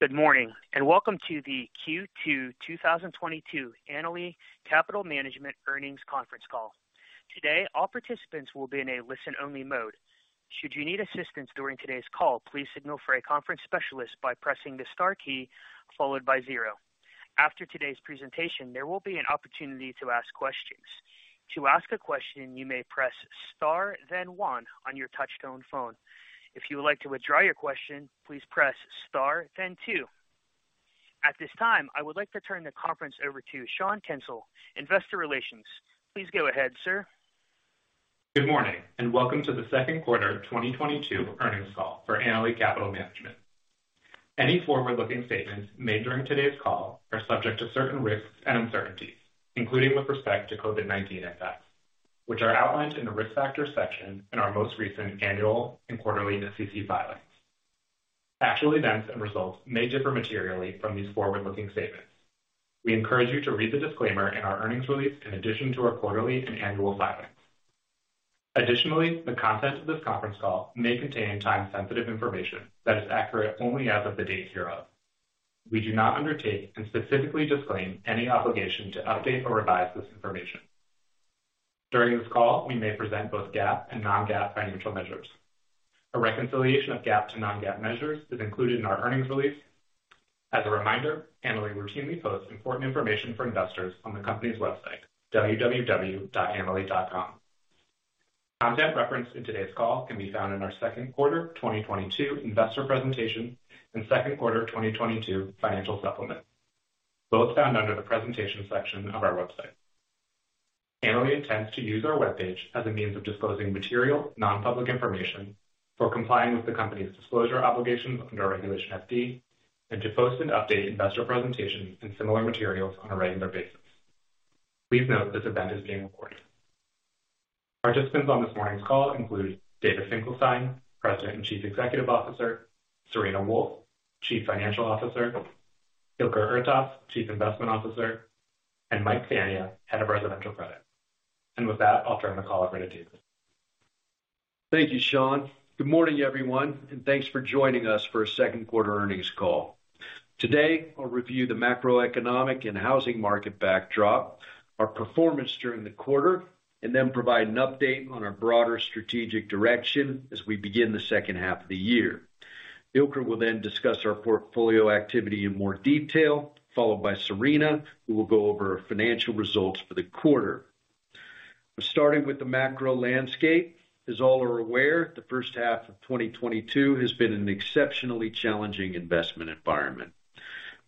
Good morning, and welcome to the Q2 2022 Annaly Capital Management Earnings Conference Call. Today, all participants will be in a listen-only mode. Should you need assistance during today's call, please signal for a conference specialist by Pressing the Star key followed by zero. After today's presentation, there will be an opportunity to ask questions. To ask a question, you may press star then one on your touchtone phone. If you would like to withdraw your question, please Press Star then two. At this time, I would like to turn the conference over to Sean Kensil, Investor Relations. Please go ahead, sir. Good morning, and welcome to the second quarter 2022 earnings call for Annaly Capital Management. Any forward-looking statements made during today's call are subject to certain risks and uncertainties, including with respect to COVID-19 effects, which are outlined in the Risk Factors section in our most recent annual and quarterly SEC filings. Actual events and results may differ materially from these forward-looking statements. We encourage you to read the disclaimer in our earnings release in addition to our quarterly and annual filings. Additionally, the content of this conference call may contain time-sensitive information that is accurate only as of the date hereof. We do not undertake and specifically disclaim any obligation to update or revise this information. During this call, we may present both GAAP and non-GAAP financial measures. A reconciliation of GAAP to non-GAAP measures is included in our earnings release. As a reminder, Annaly routinely posts important information for investors on the company's website, www.annaly.com. Content referenced in today's call can be found in our second quarter 2022 investor presentation and second quarter 2022 financial supplement, both found under the Presentation section of our website. Annaly intends to use our webpage as a means of disclosing material, non-public information for complying with the company's disclosure obligations under Regulation FD, and to post and update investor presentations and similar materials on a regular basis. Please note this event is being recorded. Participants on this morning's call include David Finkelstein, President and Chief Executive Officer, Serena Wolfe, Chief Financial Officer, Ilker Ertas, Chief Investment Officer, and Mike Fania, Head of Residential Credit. With that, I'll turn the call over to David. Thank you, Sean. Good morning, everyone, and thanks for joining us for a second quarter earnings call. Today, I'll review the macroeconomic and housing market backdrop, our performance during the quarter, and then provide an update on our broader strategic direction as we begin the second half of the year. Ilker will then discuss our portfolio activity in more detail, followed by Serena, who will go over our financial results for the quarter. Starting with the macro landscape, as all are aware, the first half of 2022 has been an exceptionally challenging investment environment.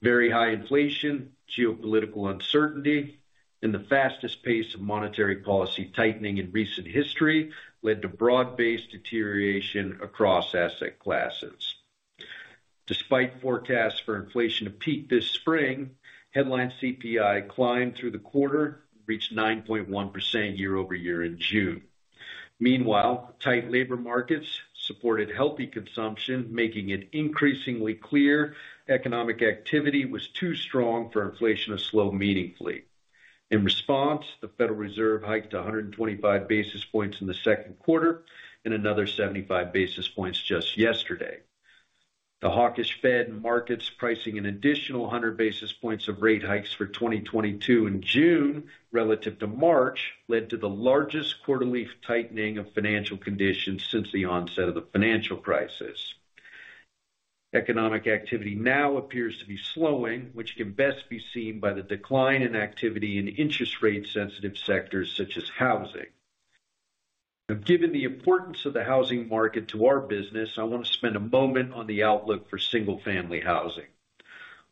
Very high inflation, geopolitical uncertainty, and the fastest pace of monetary policy tightening in recent history led to broad-based deterioration across asset classes. Despite forecasts for inflation to peak this spring, headline CPI climbed through the quarter, reached 9.1% year-over-year in June. Meanwhile, tight labor markets supported healthy consumption, making it increasingly clear economic activity was too strong for inflation to slow meaningfully. In response, the Federal Reserve hiked 125 basis points in the second quarter and another 75 basis points just yesterday. The hawkish Fed, markets pricing an additional 100 basis points of rate hikes for 2022 in June relative to March led to the largest quarterly tightening of financial conditions since the onset of the financial crisis. Economic activity now appears to be slowing, which can best be seen by the decline in activity in interest rate sensitive sectors such as housing. Now, given the importance of the housing market to our business, I wanna spend a moment on the outlook for single family housing.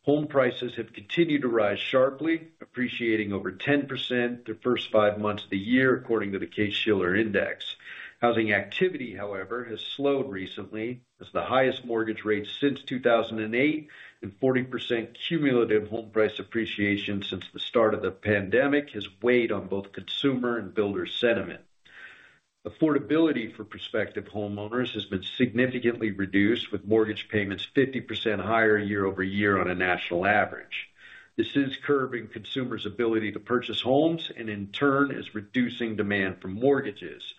Home prices have continued to rise sharply, appreciating over 10% the first five months of the year, according to the Case-Shiller index. Housing activity, however, has slowed recently as the highest mortgage rates since 2008 and 40% cumulative home price appreciation since the start of the pandemic has weighed on both consumer and builder sentiment. Affordability for prospective homeowners has been significantly reduced, with mortgage payments 50% higher year-over-year on a national average. This is curbing consumers' ability to purchase homes and in turn is reducing demand for mortgages.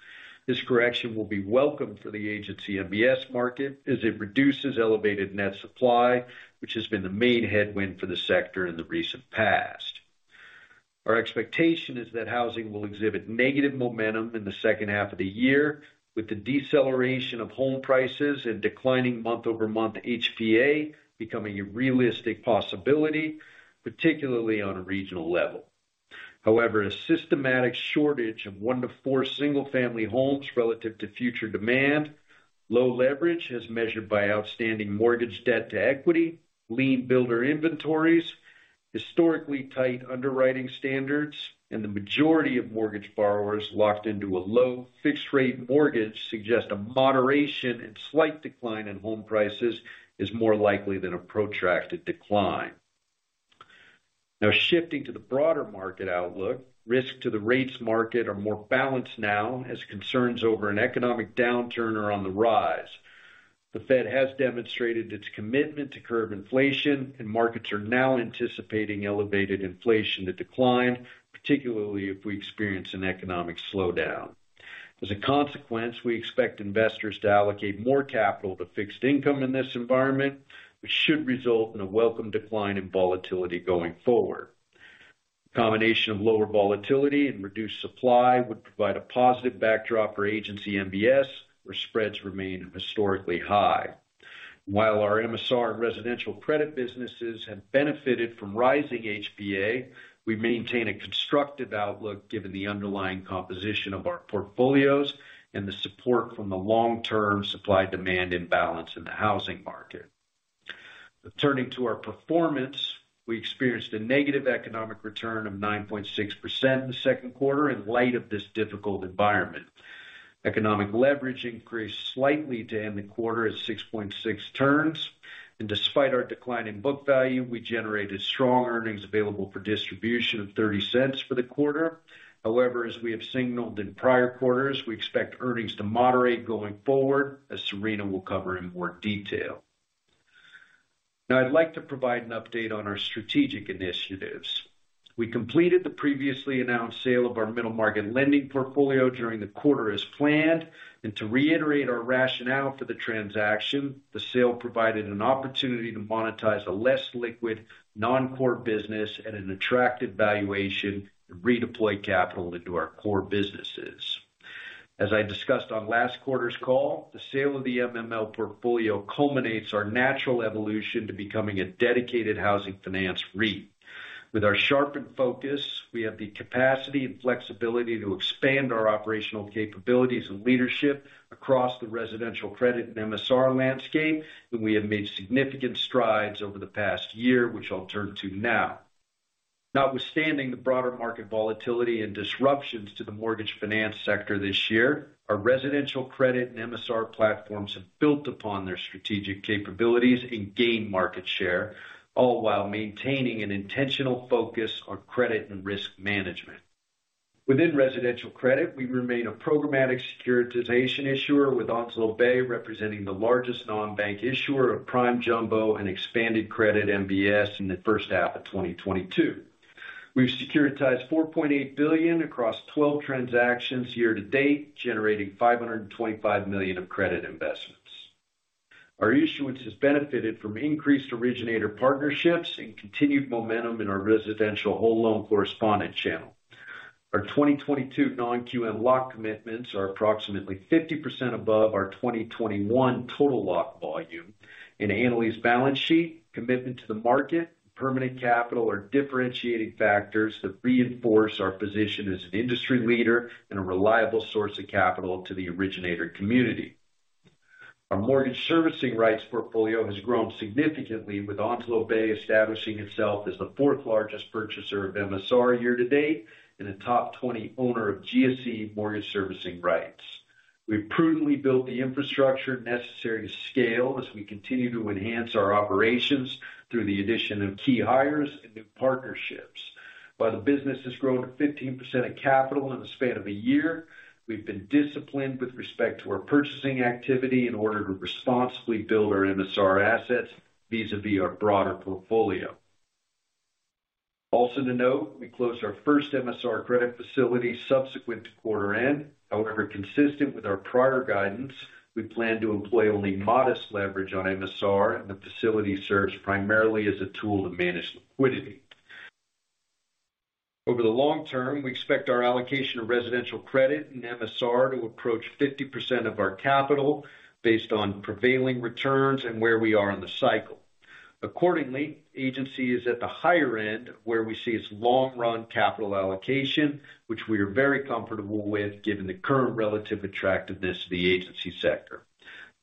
This correction will be welcome for the Agency MBS market as it reduces elevated net supply, which has been the main headwind for the sector in the recent past. Our expectation is that housing will exhibit negative momentum in the second half of the year with the deceleration of home prices and declining month-over-month HPA becoming a realistic possibility, particularly on a regional level. However, a systematic shortage of one to four single family homes relative to future demand, low leverage as measured by outstanding mortgage debt to equity, lean builder inventories, historically tight underwriting standards, and the majority of mortgage borrowers locked into a low fixed rate mortgage suggest a moderation and slight decline in home prices is more likely than a protracted decline. Now, shifting to the broader market outlook, risk to the rates market are more balanced now as concerns over an economic downturn are on the rise. The Fed has demonstrated its commitment to curb inflation, and markets are now anticipating elevated inflation to decline, particularly if we experience an economic slowdown. As a consequence, we expect investors to allocate more capital to fixed income in this environment, which should result in a welcome decline in volatility going forward. Combination of lower volatility and reduced supply would provide a positive backdrop for agency MBS, where spreads remain historically high. While our MSR and residential credit businesses have benefited from rising HPA, we maintain a constructive outlook given the underlying composition of our portfolios and the support from the long-term supply demand imbalance in the housing market. Turning to our performance, we experienced a negative economic return of 9.6% in the second quarter in light of this difficult environment. Economic leverage increased slightly to end the quarter at 6.6 turns. Despite our decline in book value, we generated strong earnings available for distribution of $0.30 for the quarter. However, as we have signaled in prior quarters, we expect earnings to moderate going forward, as Serena will cover in more detail. Now I'd like to provide an update on our strategic initiatives. We completed the previously announced sale of our middle market lending portfolio during the quarter as planned. To reiterate our rationale for the transaction, the sale provided an opportunity to monetize a less liquid, non-core business at an attractive valuation and redeploy capital into our core businesses. As I discussed on last quarter's call, the sale of the MML portfolio culminates our natural evolution to becoming a dedicated housing finance REIT. With our sharpened focus, we have the capacity and flexibility to expand our operational capabilities and leadership across the Residential Credit and MSR landscape that we have made significant strides over the past year, which I'll turn to now. Notwithstanding the broader market volatility and disruptions to the mortgage finance sector this year, our Residential Credit and MSR platforms have built upon their strategic capabilities and gained market share, all while maintaining an intentional focus on credit and risk management. Within Residential Credit, we remain a programmatic securitization issuer, with Onslow Bay representing the largest non-bank issuer of prime jumbo and expanded credit MBS in the first half of 2022. We've securitized $4.8 billion across 12 transactions year to date, generating $525 million of credit investments. Our issuance has benefited from increased originator partnerships and continued momentum in our residential whole loan correspondent channel. Our 2022 Non-QM lock commitments are approximately 50% above our 2021 total lock volume. In Annaly's balance sheet, commitment to the market, permanent capital are differentiating factors that reinforce our position as an industry leader and a reliable source of capital to the originator community. Our mortgage servicing rights portfolio has grown significantly, with Onslow Bay establishing itself as the 4th largest purchaser of MSR year to date and a top 20 owner of GSE Mortgage Servicing Rights. We've prudently built the infrastructure necessary to scale as we continue to enhance our operations through the addition of key hires and new partnerships. While the business has grown to 15% of capital in the span of a year, we've been disciplined with respect to our purchasing activity in order to responsibly build our MSR assets vis-à-vis our broader portfolio. Also to note, we closed our first MSR credit facility subsequent to quarter end. However, consistent with our prior guidance, we plan to employ only modest leverage on MSR, and the facility serves primarily as a tool to manage liquidity. Over the long term, we expect our allocation of Residential Credit and MSR to approach 50% of our capital based on prevailing returns and where we are in the cycle. Accordingly, agency is at the higher end of where we see its long-run capital allocation, which we are very comfortable with given the current relative attractiveness of the agency sector.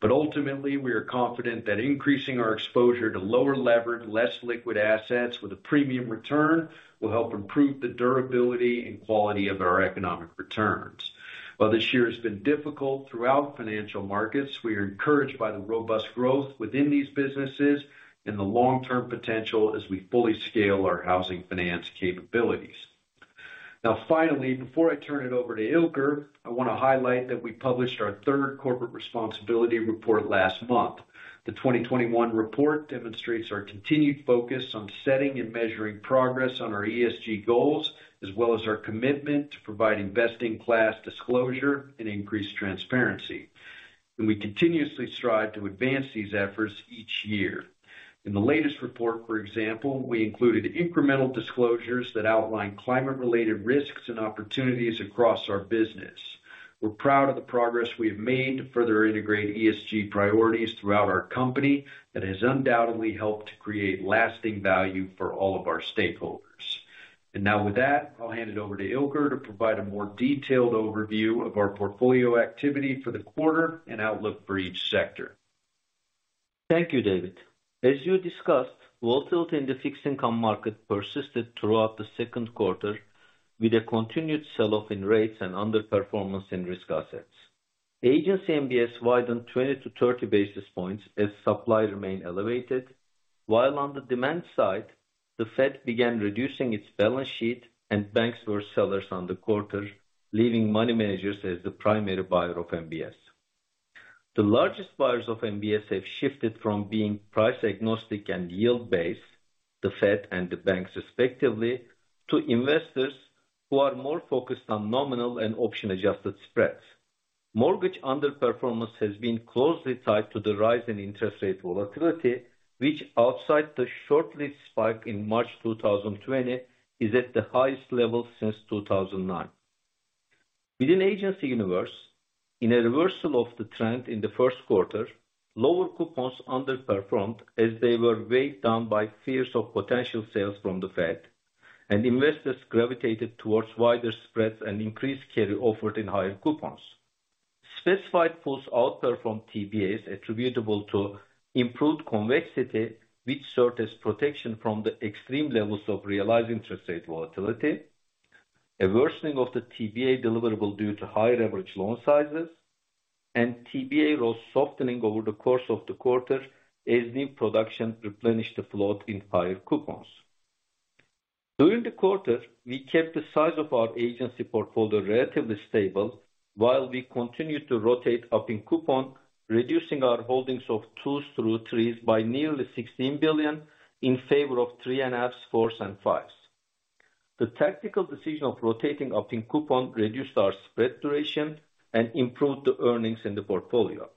Ultimately, we are confident that increasing our exposure to lower levered, less liquid assets with a premium return will help improve the durability and quality of our economic returns. While this year has been difficult throughout financial markets, we are encouraged by the robust growth within these businesses and the long-term potential as we fully scale our housing finance capabilities. Now finally, before I turn it over to Ilker, I want to highlight that we published our third corporate responsibility report last month. The 2021 report demonstrates our continued focus on setting and measuring progress on our ESG goals, as well as our commitment to providing best-in-class disclosure and increased transparency. We continuously strive to advance these efforts each year. In the latest report, for example, we included incremental disclosures that outline climate-related risks and opportunities across our business. We're proud of the progress we have made to further integrate ESG priorities throughout our company that has undoubtedly helped to create lasting value for all of our stakeholders. Now with that, I'll hand it over to Ilker to provide a more detailed overview of our portfolio activity for the quarter and outlook for each sector. Thank you, David. As you discussed, volatility in the fixed income market persisted throughout the second quarter with a continued sell-off in rates and underperformance in risk assets. Agency MBS widened 20-30 basis points as supply remained elevated, while on the demand side, the Fed began reducing its balance sheet and banks were sellers on the quarter, leaving money managers as the primary buyer of MBS. The largest buyers of MBS have shifted from being price agnostic and yield-based, the Fed and the banks respectively, to investors who are more focused on nominal and option-adjusted spreads. Mortgage underperformance has been closely tied to the rise in interest rate volatility, which outside the short-lived spike in March 2020, is at the highest level since 2009. Within agency universe, in a reversal of the trend in the first quarter, lower coupons underperformed as they were weighed down by fears of potential sales from the Fed, and investors gravitated towards wider spreads and increased carry offered in higher coupons. Specified pools outperformed TBAs attributable to improved convexity, which served as protection from the extreme levels of realized interest rate volatility. A worsening of the TBA deliverable due to higher average loan sizes and TBA pay-up softening over the course of the quarter as new production replenished the float in higher coupons. During the quarter, we kept the size of our agency portfolio relatively stable while we continued to rotate up in coupon, reducing our holdings of 2s through 3s by nearly $16 billion in favor of 3.5s, 4s, and 5s. The tactical decision of rotating up in coupon reduced our spread duration and improved the earnings in the portfolio.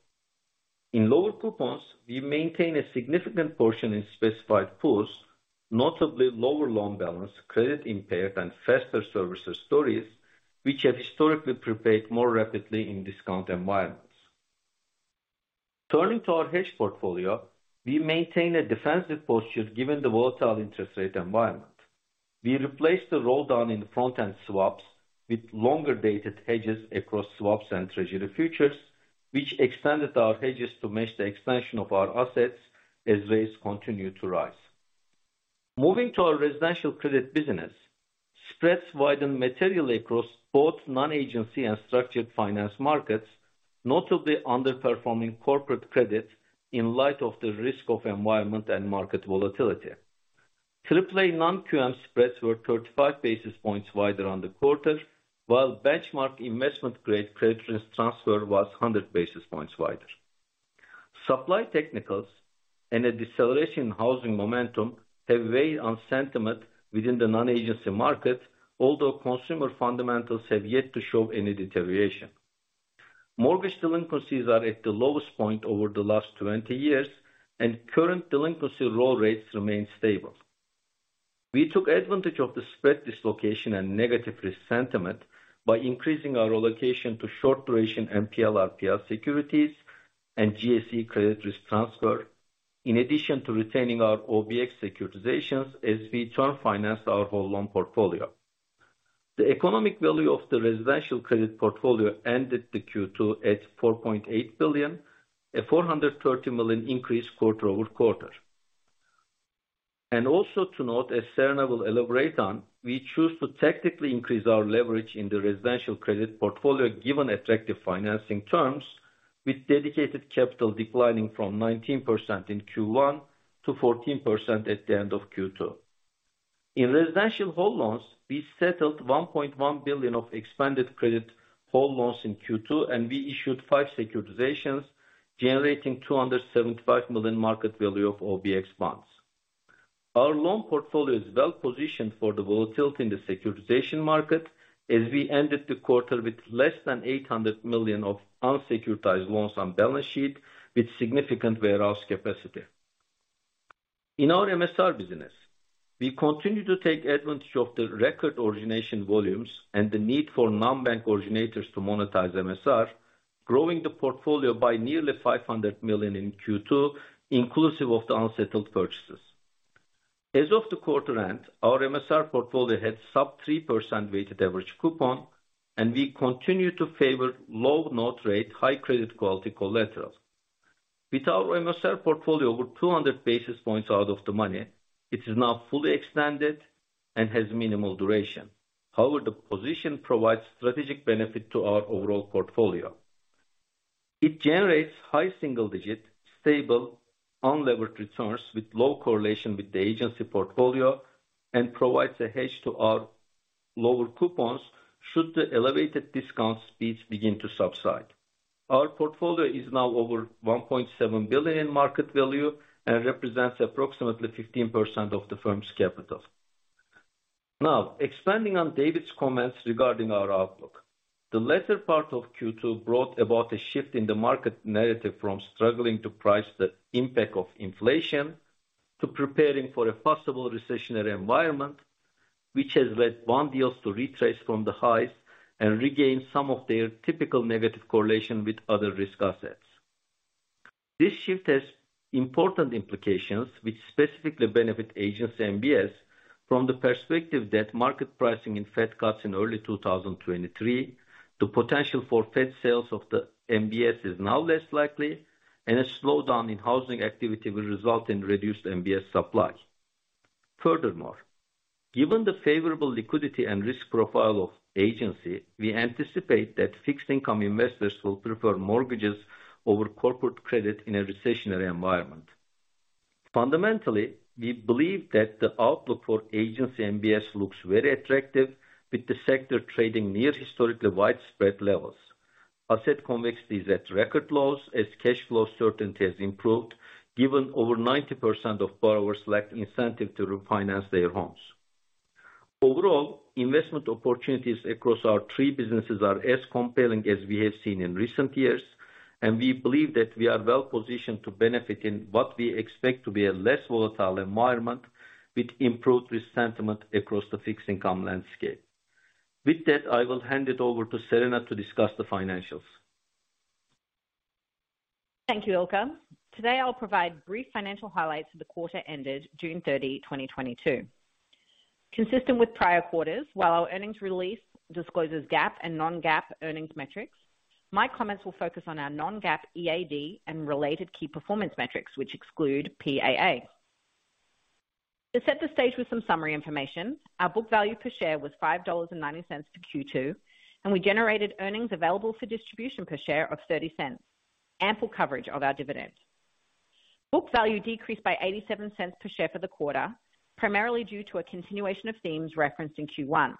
In lower coupons, we maintain a significant portion in specified pools, notably lower loan balance, credit impaired, and faster servicer stories, which have historically prepaid more rapidly in discount environments. Turning to our hedge portfolio, we maintain a defensive posture given the volatile interest rate environment. We replaced the roll-down in the front-end swaps with longer-dated hedges across swaps and treasury futures, which extended our hedges to match the expansion of our assets as rates continue to rise. Moving to our Residential Credit business, spreads widened materially across both non-agency and structured finance markets, notably underperforming corporate credit in light of the risk-off environment and market volatility. Triple-A non-QM spreads were 35 basis points wider on the quarter, while benchmark investment grade credit risk transfer was 100 basis points wider. Supply technicals and a deceleration in housing momentum have weighed on sentiment within the non-agency market, although consumer fundamentals have yet to show any deterioration. Mortgage delinquencies are at the lowest point over the last 20 years, and current delinquency roll rates remain stable. We took advantage of the spread dislocation and negative risk sentiment by increasing our allocation to short duration MPL/RPL securities and GSE credit risk transfer, in addition to retaining our OBX securitizations as we term finance our whole loan portfolio. The economic value of the residential credit portfolio ended the Q2 at $4.8 billion, a $430 million increase quarter-over-quarter. Also to note, as Serena will elaborate on, we choose to tactically increase our leverage in the residential credit portfolio given attractive financing terms with dedicated capital declining from 19% in Q1 to 14% at the end of Q2. In residential whole loans, we settled $1.1 billion of expanded credit whole loans in Q2, and we issued five securitizations, generating $275 million market value of OBX bonds. Our loan portfolio is well positioned for the volatility in the securitization market as we ended the quarter with less than $800 million of unsecuritized loans on balance sheet with significant warehouse capacity. In our MSR business, we continue to take advantage of the record origination volumes and the need for non-bank originators to monetize MSR, growing the portfolio by nearly $500 million in Q2, inclusive of the unsettled purchases. As of the quarter end, our MSR portfolio had sub 3% weighted average coupon, and we continue to favor low note rate, high credit quality collaterals. With our MSR portfolio over 200 basis points out of the money, it is now fully expanded and has minimal duration. However, the position provides strategic benefit to our overall portfolio. It generates high single digit, stable, unlevered returns with low correlation with the agency portfolio and provides a hedge to our lower coupons should the elevated discount speeds begin to subside. Our portfolio is now over $1.7 billion in market value and represents approximately 15% of the firm's capital. Now, expanding on David's comments regarding our outlook. The latter part of Q2 brought about a shift in the market narrative from struggling to price the impact of inflation to preparing for a possible recessionary environment, which has led bond yields to retrace from the highs and regain some of their typical negative correlation with other risk assets. This shift has important implications which specifically benefit Agency MBS from the perspective that market pricing in Fed cuts in early 2023, the potential for Fed sales of the MBS is now less likely, and a slowdown in housing activity will result in reduced MBS supply. Furthermore, given the favorable liquidity and risk profile of agency, we anticipate that fixed income investors will prefer mortgages over corporate credit in a recessionary environment. Fundamentally, we believe that the outlook for Agency MBS looks very attractive with the sector trading near historically wide spread levels. Asset convexity is at record lows as cash flow certainty has improved, given over 90% of borrowers lack an incentive to refinance their homes. Overall, investment opportunities across our three businesses are as compelling as we have seen in recent years, and we believe that we are well positioned to benefit in what we expect to be a less volatile environment with improved risk sentiment across the fixed income landscape. With that, I will hand it over to Serena to discuss the financials. Thank you, Ilker. Today I'll provide brief financial highlights for the quarter ended 30th June 2022. Consistent with prior quarters, while our earnings release discloses GAAP and non-GAAP earnings metrics, my comments will focus on our non-GAAP EAD and related key performance metrics, which exclude PAA. To set the stage with some summary information, our book value per share was $5.90 for Q2, and we generated earnings available for distribution per share of $0.30. Ample coverage of our dividend. Book value decreased by $0.87 per share for the quarter, primarily due to a continuation of themes referenced in Q1.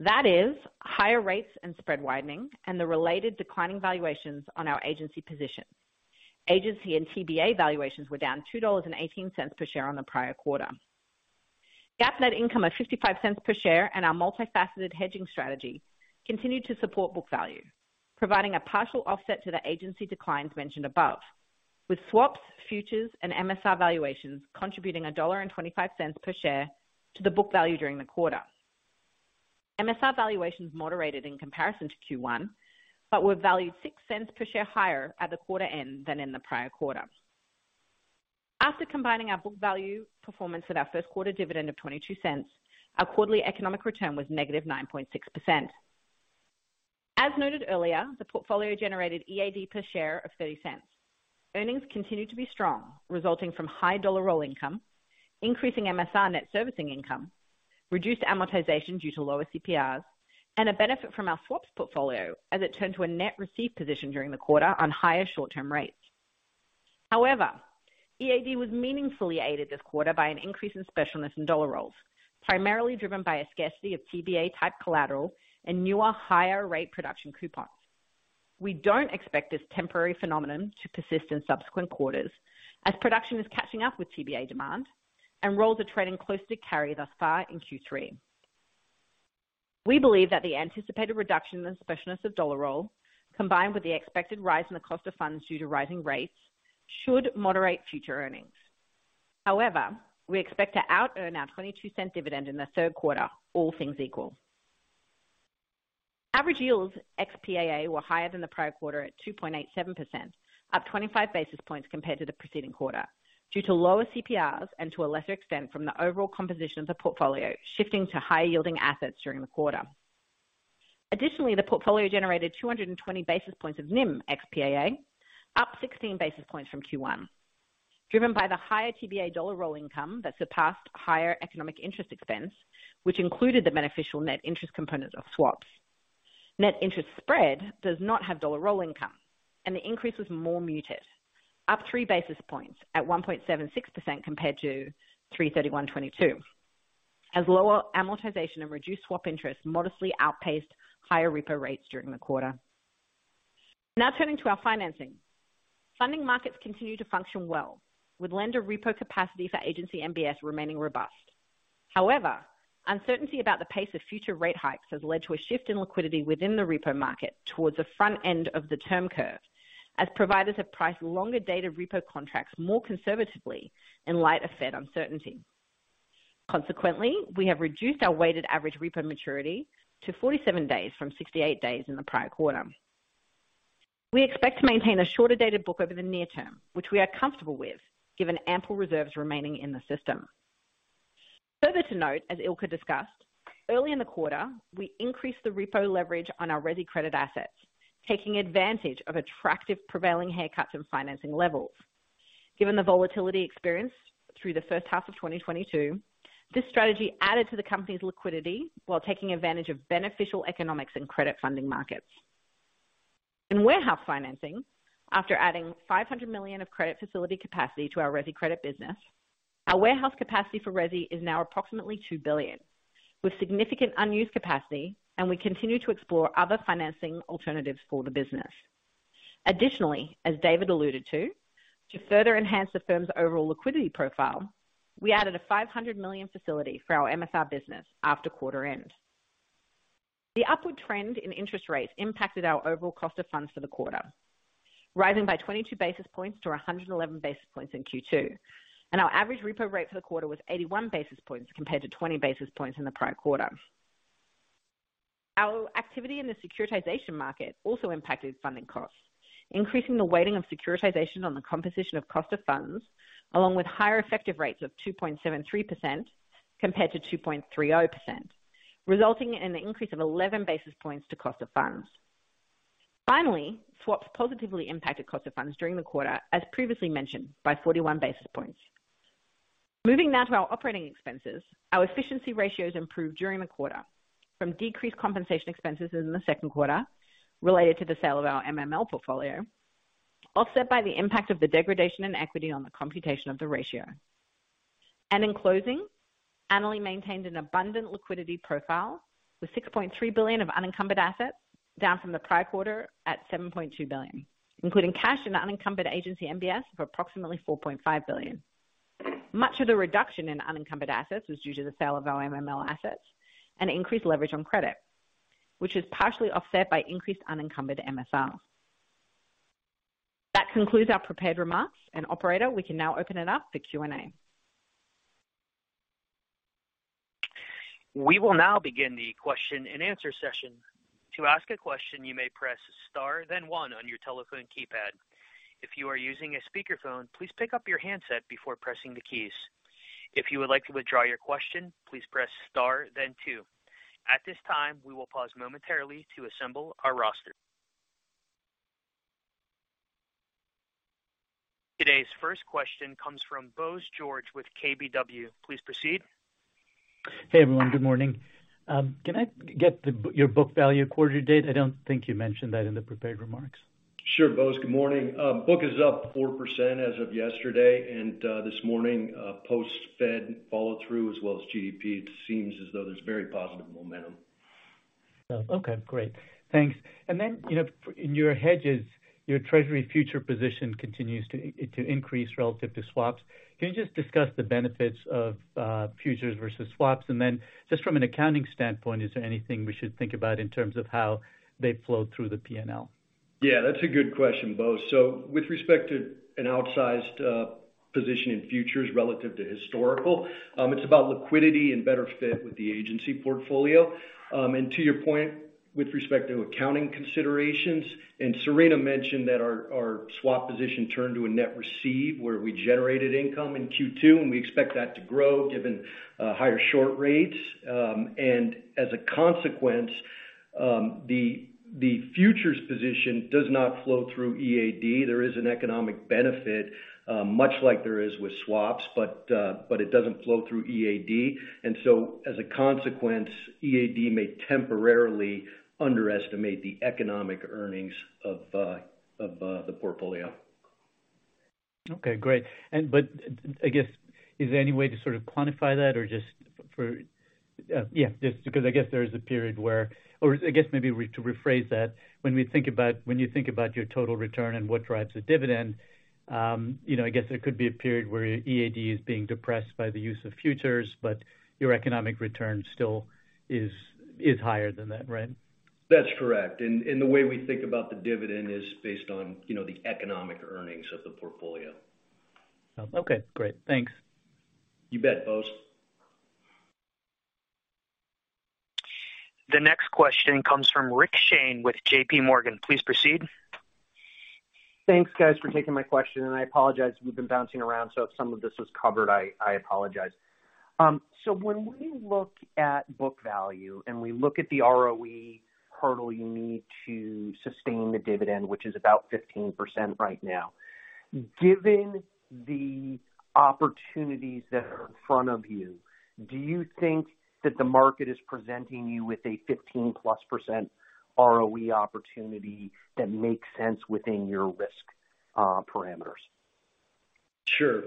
That is higher rates and spread widening and the related declining valuations on our Agency position. Agency and TBA valuations were down $2.18 per share on the prior quarter. GAAP net income of $0.55 per share and our multifaceted hedging strategy continued to support book value, providing a partial offset to the agency declines mentioned above. With swaps, futures and MSR valuations contributing $1.25 per share to the book value during the quarter. MSR valuations moderated in comparison to Q1, but were valued $0.06 per share higher at the quarter end than in the prior quarter. After combining our book value performance at our first quarter dividend of $0.22, our quarterly economic return was -9.6%. As noted earlier, the portfolio generated EAD per share of $0.30. Earnings continued to be strong, resulting from high dollar roll income, increasing MSR net servicing income, reduced amortization due to lower CPRs, and a benefit from our swaps portfolio as it turned to a net received position during the quarter on higher short-term rates. However, EAD was meaningfully aided this quarter by an increase in specialness in dollar rolls, primarily driven by a scarcity of TBA-type collateral and newer, higher rate production coupons. We don't expect this temporary phenomenon to persist in subsequent quarters as production is catching up with TBA demand and rolls are trading close to carry thus far in Q3. We believe that the anticipated reduction in specialness of dollar roll, combined with the expected rise in the cost of funds due to rising rates, should moderate future earnings. However, we expect to out earn our 22-cent dividend in the third quarter, all things equal. Average yields ex PAA were higher than the prior quarter at 2.87%, up 25 basis points compared to the preceding quarter due to lower CPRs and to a lesser extent, from the overall composition of the portfolio shifting to higher yielding assets during the quarter. Additionally, the portfolio generated 220 basis points of NIM ex PAA, up 16 basis points from Q1, driven by the higher TBA dollar roll income that surpassed higher economic interest expense, which included the beneficial net interest component of swaps. Net interest spread does not have dollar roll income, and the increase was more muted, up three basis points at 1.76% compared to 31st march 2022 as lower amortization and reduced swap interest modestly outpaced higher repo rates during the quarter. Now turning to our financing. Funding markets continue to function well, with lender repo capacity for Agency MBS remaining robust. However, uncertainty about the pace of future rate hikes has led to a shift in liquidity within the repo market towards the front end of the term curve, as providers have priced longer dated repo contracts more conservatively in light of Fed uncertainty. Consequently, we have reduced our weighted average repo maturity to 47 days from 68 days in the prior quarter. We expect to maintain a shorter dated book over the near term, which we are comfortable with given ample reserves remaining in the system. Further to note, as Ilker discussed, early in the quarter, we increased the repo leverage on our Residential Credit assets, taking advantage of attractive prevailing haircuts and financing levels. Given the volatility experienced through the first half of 2022, this strategy added to the company's liquidity while taking advantage of beneficial economics and credit funding markets. In warehouse financing, after adding $500 million of credit facility capacity to our resi credit business, our warehouse capacity for resi is now approximately $2 billion, with significant unused capacity, and we continue to explore other financing alternatives for the business. Additionally, as David alluded to further enhance the firm's overall liquidity profile, we added a $500 million facility for our MSR business after quarter end. The upward trend in interest rates impacted our overall cost of funds for the quarter, rising by 22 basis points to 111 basis points in Q2, and our average repo rate for the quarter was 81 basis points compared to 20 basis points in the prior quarter. Our activity in the securitization market also impacted funding costs, increasing the weighting of securitization on the composition of cost of funds along with higher effective rates of 2.73% compared to 2.30%, resulting in an increase of 11 basis points to cost of funds. Finally, swaps positively impacted cost of funds during the quarter, as previously mentioned, by 41 basis points. Moving now to our operating expenses. Our efficiency ratios improved during the quarter from decreased compensation expenses in the second quarter related to the sale of our MML portfolio, offset by the impact of the degradation in equity on the computation of the ratio. In closing, Annaly maintained an abundant liquidity profile with $6.3 billion of unencumbered assets down from the prior quarter at $7.2 billion, including cash and unencumbered agency MBS of approximately $4.5 billion. Much of the reduction in unencumbered assets was due to the sale of our MML assets and increased leverage on credit, which was partially offset by increased unencumbered MSR. That concludes our prepared remarks, and operator, we can now open it up for Q&A. We will now begin the question-and-answer session. To ask a question, you may press star then one on your telephone keypad. If you are using a speakerphone, please pick up your handset before pressing the keys. If you would like to withdraw your question, please press star then two. At this time, we will pause momentarily to assemble our roster. Today's first question comes from Bose George with KBW. Please proceed. Hey, everyone. Good morning. Can I get your book value quarter to date? I don't think you mentioned that in the prepared remarks. Sure. Bose, good morning. Book is up 4% as of yesterday and this morning, post-Fed follow through as well as GDP. It seems as though there's very positive momentum. Okay, great. Thanks. Then, you know, in your hedges, your Treasury futures position continues to increase relative to swaps. Can you just discuss the benefits of futures versus swaps? Then just from an accounting standpoint, is there anything we should think about in terms of how they flow through the PNL? Yeah, that's a good question, Bose. With respect to an outsized position in futures relative to historical, it's about liquidity and better fit with the agency portfolio. To your point, with respect to accounting considerations, Serena mentioned that our swap position turned to a net receive, where we generated income in Q2, and we expect that to grow given higher short rates. As a consequence, the futures position does not flow through EAD. There is an economic benefit much like there is with swaps, but it doesn't flow through EAD. As a consequence, EAD may temporarily underestimate the economic earnings of the portfolio. Okay, great. I guess, is there any way to sort of quantify that just because I guess there is a period or I guess maybe to rephrase that, when you think about your total return and what drives the dividend, you know, I guess there could be a period where EAD is being depressed by the use of futures, but your economic return still is higher than that, right? That's correct. The way we think about the dividend is based on, you know, the economic earnings of the portfolio. Okay, great. Thanks. You bet, Bose. The next question comes from Rick Shane with JPMorgan. Please proceed. Thanks, guys, for taking my question. I apologize we've been bouncing around, so if some of this was covered, I apologize. When we look at book value and we look at the ROE hurdle you need to sustain the dividend, which is about 15% right now. Given the opportunities that are in front of you, do you think that the market is presenting you with a 15%+ ROE opportunity that makes sense within your risk parameters? Sure.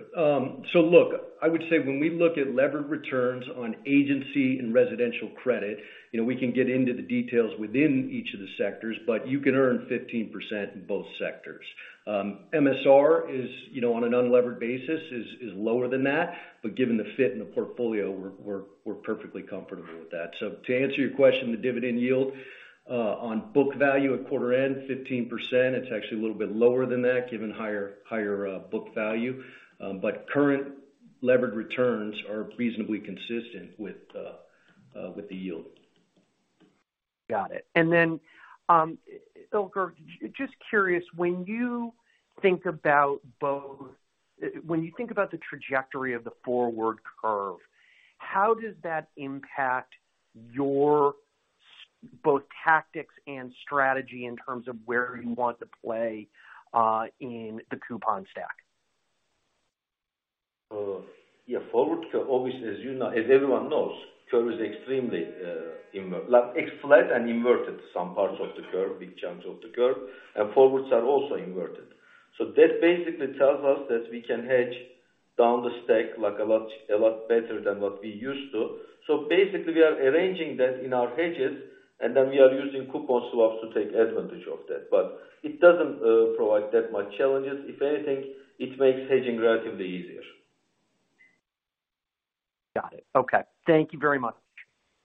Look, I would say when we look at levered returns on agency and residential credit, you know, we can get into the details within each of the sectors, but you can earn 15% in both sectors. MSR is, you know, on an unlevered basis is lower than that, but given the fit in the portfolio, we're perfectly comfortable with that. To answer your question, the dividend yield on book value at quarter end, 15%, it's actually a little bit lower than that given higher book value. Current levered returns are reasonably consistent with the yield. Got it. Ilker, just curious, when you think about the trajectory of the forward curve, how does that impact your both tactics and strategy in terms of where you want to play in the coupon stack? Yeah, forward curve, obviously, as you know, as everyone knows, curve is extremely like it's flat and inverted some parts of the curve, big chunks of the curve, and forwards are also inverted. That basically tells us that we can hedge down the stack like a lot better than what we used to. Basically we are arranging that in our hedges, and then we are using coupon swaps to take advantage of that. It doesn't provide that much challenges. If anything, it makes hedging relatively easier. Got it. Okay. Thank you very much.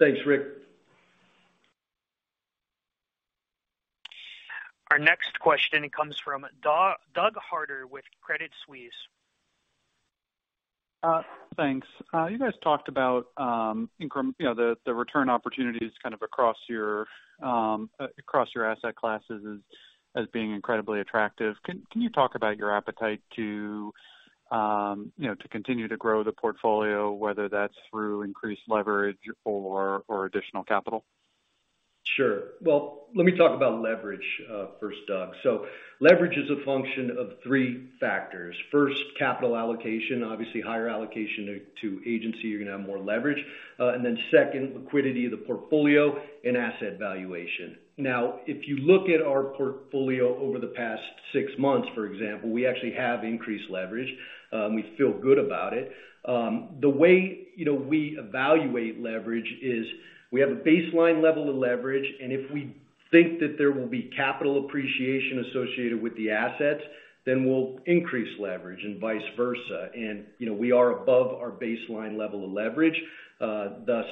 Thanks, Rick. Our next question comes from Douglas Harter with Credit Suisse. Thanks. You guys talked about incremental, you know, the return opportunities kind of across your asset classes as being incredibly attractive. Can you talk about your appetite to, you know, to continue to grow the portfolio, whether that's through increased leverage or additional capital? Sure. Well, let me talk about leverage first, Doug. Leverage is a function of three factors. First, capital allocation. Obviously, higher allocation to agency, you're gonna have more leverage. And then second, liquidity of the portfolio and asset valuation. Now, if you look at our portfolio over the past six months, for example, we actually have increased leverage. We feel good about it. The way, you know, we evaluate leverage is we have a baseline level of leverage, and if we think that there will be capital appreciation associated with the assets, then we'll increase leverage and vice versa. You know, we are above our baseline level of leverage, thus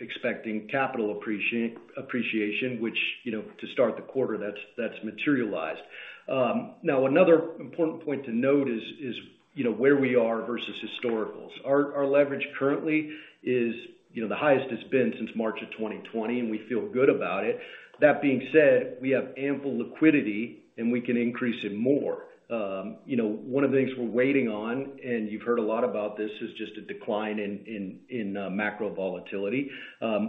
expecting capital appreciation, which, you know, to start the quarter that's materialized. Now another important point to note is, you know, where we are versus historicals. Our leverage currently is the highest it's been since March of 2020, and we feel good about it. That being said, we have ample liquidity, and we can increase it more. One of the things we're waiting on, and you've heard a lot about this, is just a decline in macro volatility.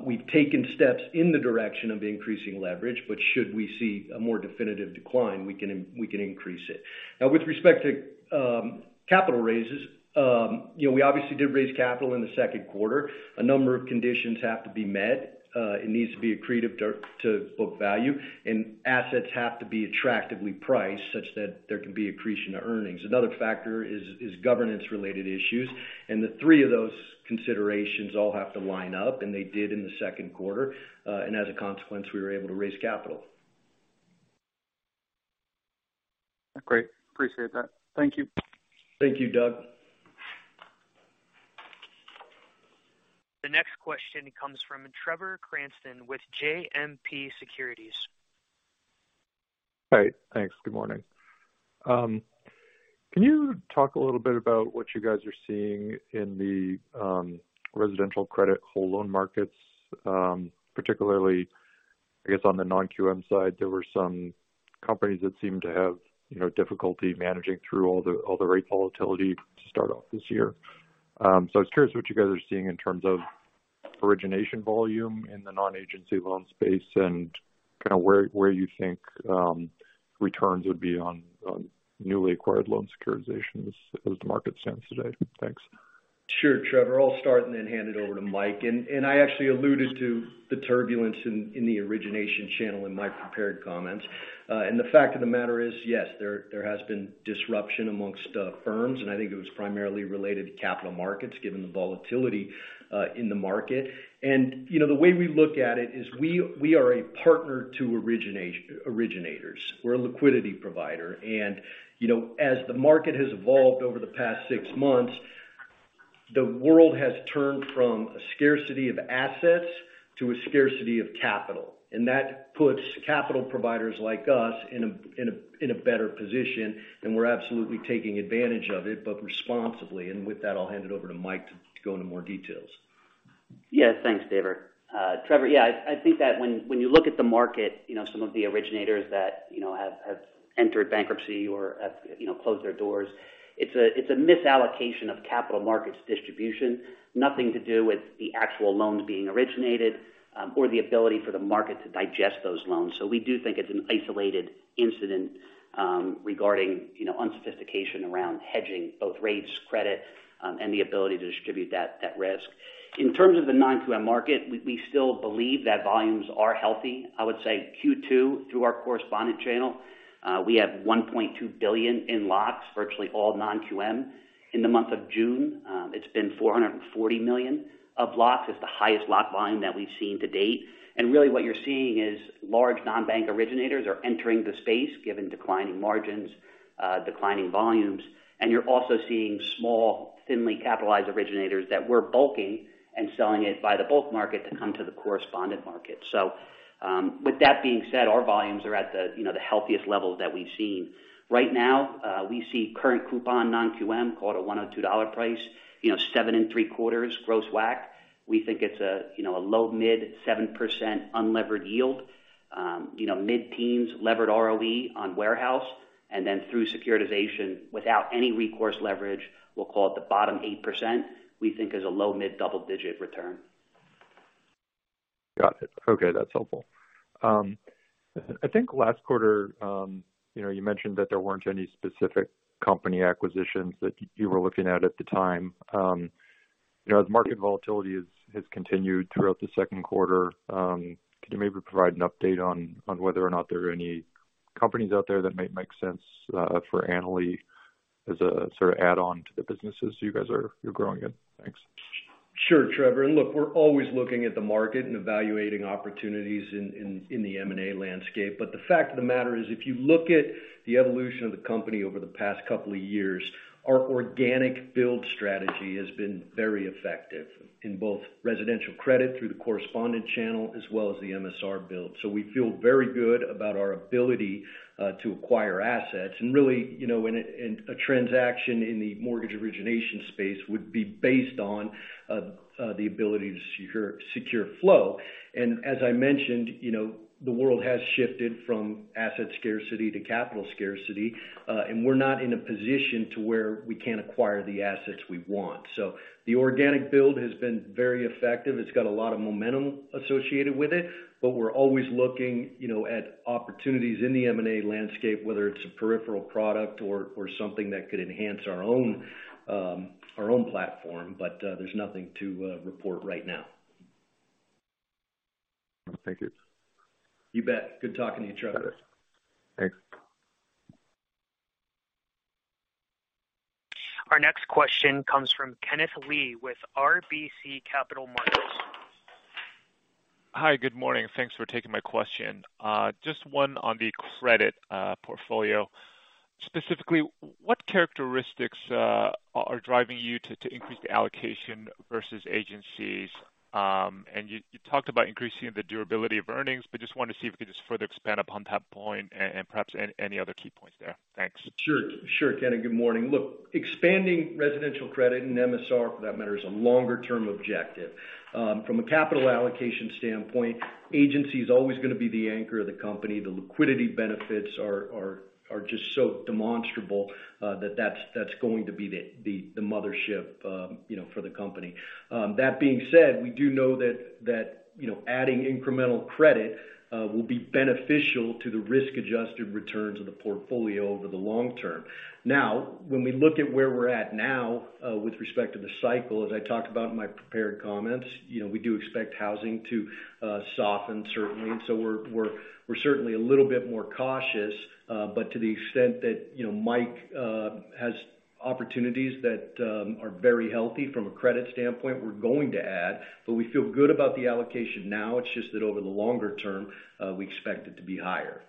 We've taken steps in the direction of increasing leverage, but should we see a more definitive decline, we can increase it. Now with respect to capital raises, we obviously did raise capital in the second quarter. A number of conditions have to be met. It needs to be accretive to book value, and assets have to be attractively priced such that there can be accretion to earnings. Another factor is governance-related issues, and the three of those considerations all have to line up, and they did in the second quarter, and as a consequence, we were able to raise capital. Great. Appreciate that. Thank you. Thank you, Doug. The next question comes from Trevor Cranston with JMP Securities. All right. Thanks. Good morning. Can you talk a little bit about what you guys are seeing in the Residential Credit whole loan markets, particularly, I guess, on the non-QM side? There were some companies that seemed to have, you know, difficulty managing through all the rate volatility to start off this year. I was curious what you guys are seeing in terms of origination volume in the non-Agency loan space and kinda where you think returns would be on newly acquired loan securitizations as the market stands today? Thanks. Sure, Trevor. I'll start and then hand it over to Mike. I actually alluded to the turbulence in the origination channel in my prepared comments. The fact of the matter is, yes, there has been disruption amongst firms, and I think it was primarily related to capital markets, given the volatility in the market. You know, the way we look at it is we are a partner to originators. We're a liquidity provider. You know, as the market has evolved over the past six months, the world has turned from a scarcity of assets to a scarcity of capital. That puts capital providers like us in a better position, and we're absolutely taking advantage of it, but responsibly. With that, I'll hand it over to Mike to go into more details. Yeah. Thanks, David. Trevor, yeah, I think that when you look at the market, you know, some of the originators that have entered bankruptcy or have closed their doors, it's a misallocation of capital markets distribution. Nothing to do with the actual loans being originated or the ability for the market to digest those loans. We do think it's an isolated incident regarding unsophistication around hedging both rates, credit, and the ability to distribute that risk. In terms of the non-QM market, we still believe that volumes are healthy. I would say Q2, through our correspondent channel, we have $1.2 billion in locks, virtually all non-QM. In the month of June, it's been $440 million of locks. It's the highest lock volume that we've seen to date. Really what you're seeing is large non-bank originators are entering the space given declining margins, declining volumes. You're also seeing small, thinly capitalized originators that we're bulking and selling it by the bulk market to come to the correspondent market. With that being said, our volumes are at the healthiest levels that we've seen. Right now, we see current coupon non-QM call it a $102 price. Seven and three quarters gross WAC. We think it's a low mid 7% unlevered yield. Mid-teens levered ROE on warehouse. Then through securitization, without any recourse leverage, we'll call it the bottom 8%, we think is a low mid-double digit return. Got it. Okay, that's helpful. I think last quarter, you know, you mentioned that there weren't any specific company acquisitions that you were looking at the time. You know, as market volatility has continued throughout the second quarter, could you maybe provide an update on whether or not there are any companies out there that might make sense, for Annaly as a sort of add-on to the businesses you're growing in? Thanks. Sure, Trevor Cranston. Look, we're always looking at the market and evaluating opportunities in the M&A landscape. The fact of the matter is, if you look at the evolution of the company over the past couple of years, our organic build strategy has been very effective in both Residential Credit through the correspondent channel as well as the MSR build. We feel very good about our ability to acquire assets. Really, you know, in a transaction in the mortgage origination space would be based on the ability to secure flow. As I mentioned, you know, the world has shifted from asset scarcity to capital scarcity, and we're not in a position where we can't acquire the assets we want. The organic build has been very effective. It's got a lot of momentum associated with it, but we're always looking, you know, at opportunities in the M&A landscape, whether it's a peripheral product or something that could enhance our own platform. There's nothing to report right now. I think it's. You bet. Good talking to you, Trevor. Thanks. Our next question comes from Kenneth Lee with RBC Capital Markets. Hi, good morning. Thanks for taking my question. Just one on the credit portfolio. Specifically, what characteristics are driving you to increase the allocation versus agencies? And you talked about increasing the durability of earnings, but just wanted to see if we could just further expand upon that point and perhaps any other key points there. Thanks. Sure, Kenneth. Good morning. Look, expanding residential credit and MSR for that matter, is a longer term objective. From a capital allocation standpoint, agency is always gonna be the anchor of the company. The liquidity benefits are just so demonstrable, that that's going to be the mothership, you know, for the company. That being said, we do know that, you know, adding incremental credit, will be beneficial to the risk-adjusted returns of the portfolio over the long term. Now, when we look at where we're at now, with respect to the cycle, as I talked about in my prepared comments, you know, we do expect housing to soften certainly. We're certainly a little bit more cautious, but to the extent that, you know, Mike has opportunities that are very healthy from a credit standpoint, we're going to add. We feel good about the allocation now. It's just that over the longer term, we expect it to be higher.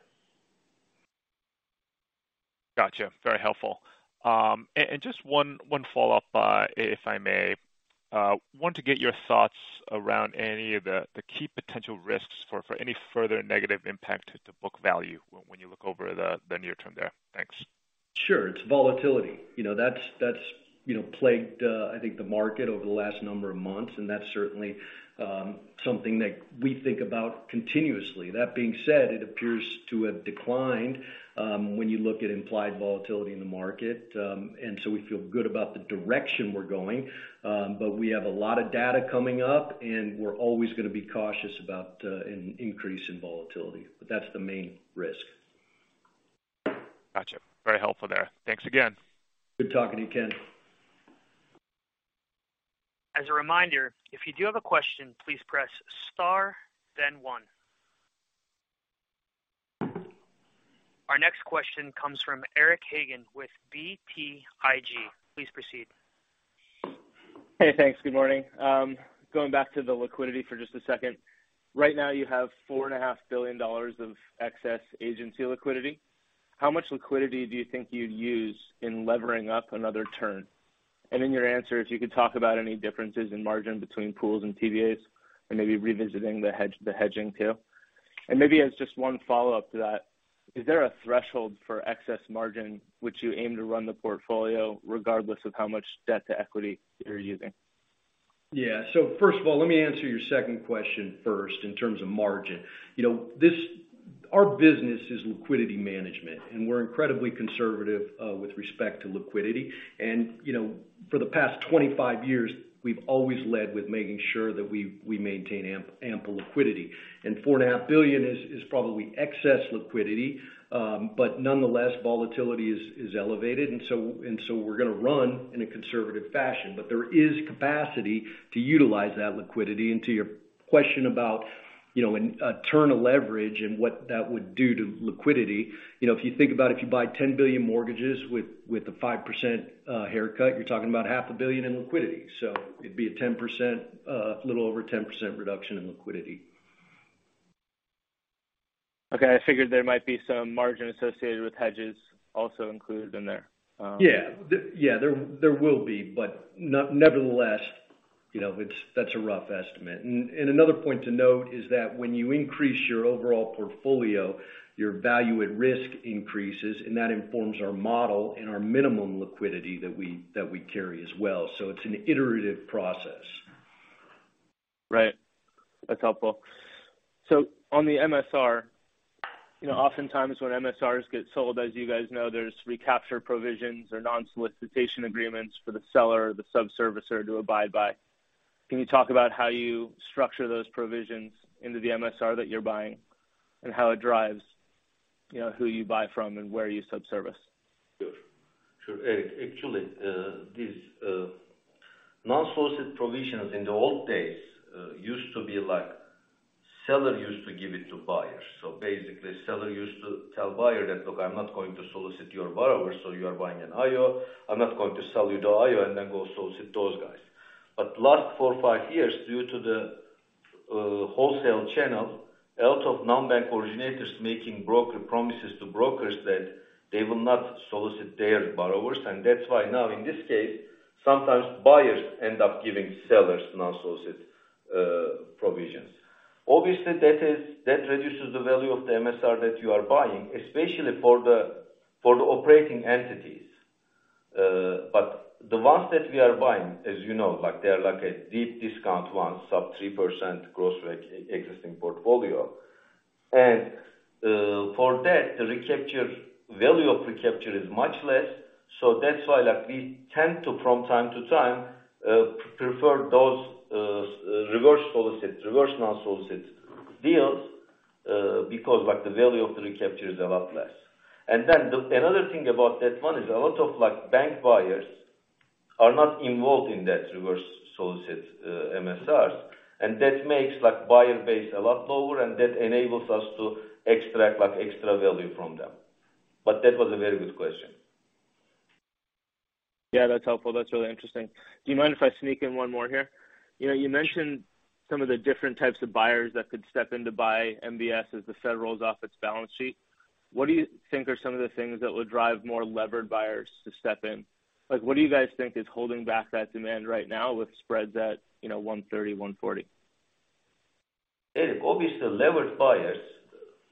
Gotcha. Very helpful. Just one follow-up, if I may. Want to get your thoughts around any of the key potential risks for any further negative impact to book value when you look over the near term there. Thanks. Sure. It's volatility. You know, that's plagued, I think, the market over the last number of months, and that's certainly something that we think about continuously. That being said, it appears to have declined when you look at implied volatility in the market. We feel good about the direction we're going. We have a lot of data coming up, and we're always gonna be cautious about an increase in volatility. That's the main risk. Gotcha. Very helpful there. Thanks again. Good talking to you, Ken. As a reminder, if you do have a question, please press star then one. Our next question comes from Eric Hagen with BTIG. Please proceed. Hey, thanks. Good morning. Going back to the liquidity for just a second. Right now you have $4.5 billion of excess agency liquidity. How much liquidity do you think you'd use in levering up another turn? In your answer, if you could talk about any differences in margin between pools and TBAs and maybe revisiting the hedging too. Maybe as just one follow-up to that, is there a threshold for excess margin which you aim to run the portfolio regardless of how much debt to equity you're using? Yeah. First of all, let me answer your second question first in terms of margin. You know, this, our business is liquidity management, and we're incredibly conservative with respect to liquidity. You know, for the past 25 years, we've always led with making sure that we maintain ample liquidity. $4.5 billion is probably excess liquidity. Nonetheless, volatility is elevated, and so we're gonna run in a conservative fashion. There is capacity to utilize that liquidity. To your question about, you know, a turn of leverage and what that would do to liquidity. You know, if you think about if you buy $10 billion mortgages with a 5% haircut, you're talking about half a billion in liquidity. It'd be a 10%, little over 10% reduction in liquidity. Okay. I figured there might be some margin associated with hedges also included in there. Yeah, there will be, but nevertheless, you know, it's. That's a rough estimate. Another point to note is that when you increase your overall portfolio, your value at risk increases, and that informs our model and our minimum liquidity that we carry as well. It's an iterative process. Right. That's helpful. On the MSR, you know, oftentimes when MSRs get sold, as you guys know, there's recapture provisions or non-solicitation agreements for the seller or the sub-servicer to abide by. Can you talk about how you structure those provisions into the MSR that you're buying and how it drives, you know, who you buy from and where you sub-service? Sure, Eric. Actually, these non-solicit provisions in the old days used to be like seller used to give it to buyers. Basically, seller used to tell buyer that, "Look, I'm not going to solicit your borrower, so you are buying an IO. I'm not going to sell you the IO and then go solicit those guys." Last four or five years, due to the wholesale channel, a lot of non-bank originators making promises to brokers that they will not solicit their borrowers. That's why now in this case, sometimes buyers end up giving sellers non-solicit provisions. Obviously, that reduces the value of the MSR that you are buying, especially for the operating entities. The ones that we are buying, as you know, like they are like a deep discount one, sub-3% gross rate existing portfolio. For that, the recapture value of recapture is much less. That's why like we tend to from time to time, prefer those, reverse solicit, reverse non-solicit deals, because like the value of the recapture is a lot less. Another thing about that one is a lot of like bank buyers are not involved in that reverse non-solicit MSRs, and that makes like buyer base a lot lower, and that enables us to extract like extra value from them. But that was a very good question. Yeah, that's helpful. That's really interesting. Do you mind if I sneak in one more here? You know, you mentioned some of the different types of buyers that could step in to buy MBS as the Fed is off its balance sheet. What do you think are some of the things that would drive more levered buyers to step in? Like, what do you guys think is holding back that demand right now with spreads at, you know, 130, 140? Eric, obviously the levered buyers,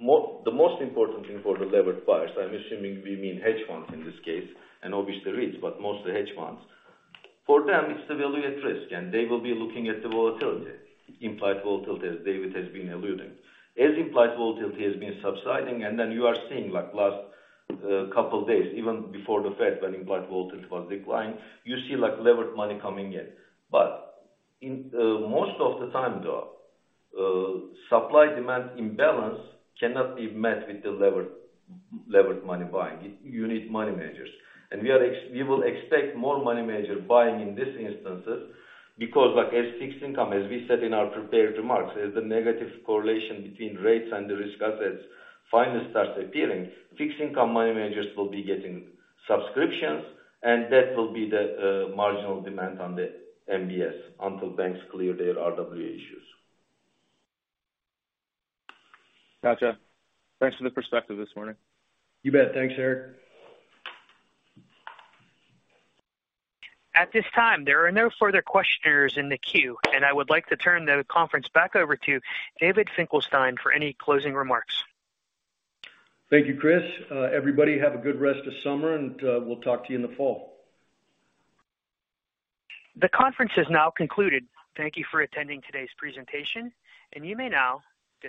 the most important thing for the levered buyers, I'm assuming we mean hedge funds in this case, and obviously REITs, but mostly hedge funds. For them, it's the value at risk, and they will be looking at the volatility, implied volatility as David has been alluding. As implied volatility has been subsiding and then you are seeing like last couple days, even before the Fed, when implied volatility was declining, you see like levered money coming in. But in most of the time though, supply-demand imbalance cannot be met with the levered money buying. You need money managers. We will expect more money manager buying in these instances because like as fixed income, as we said in our prepared remarks, as the negative correlation between rates and the risk assets finally starts appearing, fixed income money managers will be getting subscriptions, and that will be the marginal demand on the MBS until banks clear their RWA issues. Gotcha. Thanks for the perspective this morning. You bet. Thanks, Eric. At this time, there are no further questioners in the queue, and I would like to turn the conference back over to David Finkelstein for any closing remarks. Thank you, Chris. Everybody have a good rest of summer, and we'll talk to you in the fall. The conference is now concluded. Thank you for attending today's presentation, and you may now disconnect.